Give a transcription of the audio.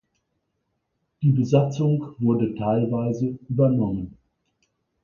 Die Besatzung wurde teilweise übernommen.